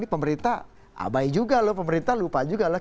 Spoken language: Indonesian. ini pemerintah abai juga loh pemerintah lupa juga loh